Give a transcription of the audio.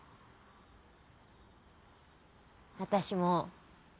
私も。